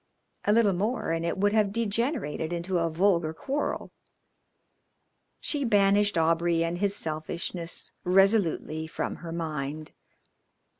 A little more and it would have degenerated into a vulgar quarrel. She banished Aubrey and his selfishness resolutely from her mind.